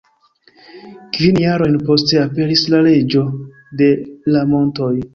Kvin jarojn poste aperis La Reĝo de la Montoj.